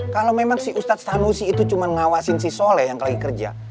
kalau memang si ustadz sanusi itu cuma ngawasin si soleh yang lagi kerja